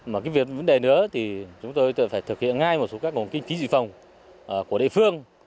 mà cái việc vấn đề nữa thì chúng tôi phải thực hiện ngay một số các kinh khí dị phòng của địa phương